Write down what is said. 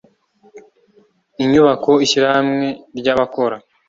inyubako ishyirahamwe ry abakora